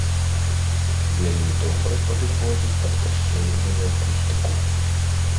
Вельмі добра падыходзіць пад касцёльную акустыку.